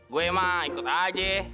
gue mah ikut aja